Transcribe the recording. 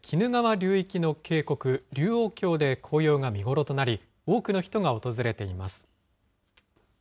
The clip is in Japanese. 流域の渓谷、龍王峡で紅葉が見頃となり、多くの人が訪れています。